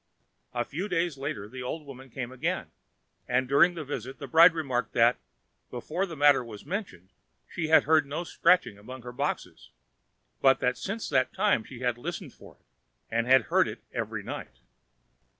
A few days later the old woman came again, and during the visit the bride remarked that, before the matter was mentioned, she had heard no scratching among her boxes, but that since that time she had listened for it, and had heard it every night.